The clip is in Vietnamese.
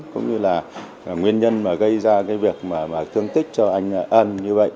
cũng như là nguyên nhân mà gây ra cái việc mà thương tích cho anh ân như vậy